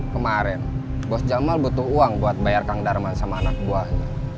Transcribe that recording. kemarin bos jamal butuh uang buat bayar kang darman sama anak buahnya